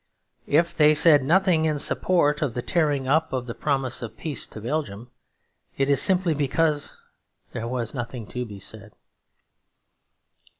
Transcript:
If they said nothing in support of the tearing up of the promise of peace to Belgium, it is simply because there was nothing to be said.